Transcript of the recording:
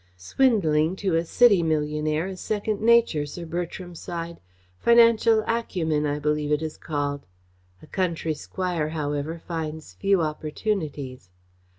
"Swindling to a city millionaire is second nature," Sir Bertram sighed; "financial acumen, I believe it is called. A county squire, however, finds few opportunities.